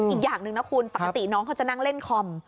อีกอย่างหนึ่งนะคุณปกติน้องเขาจะนั่งเล่นคอม